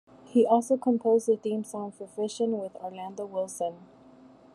He also composed the theme song for "Fishin' with Orlando Wilson".